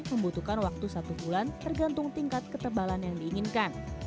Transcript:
membutuhkan waktu satu bulan tergantung tingkat ketebalan yang diinginkan